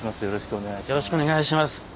よろしくお願いします。